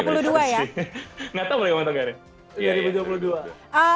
gak tahu boleh gak mau nonton gak ada